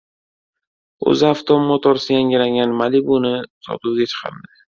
UzAuto Motors yangilangan «Malibu»ni sotuvga chiqardi